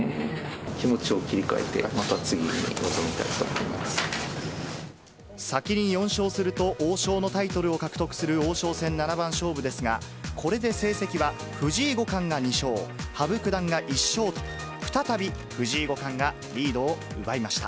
気持ちを切り替えて、また次に臨先に４勝すると、王将のタイトルを獲得する王将戦七番勝負ですが、これで成績は藤井五冠が２勝、羽生九段が１勝と、再び、藤井五冠がリードを奪いました。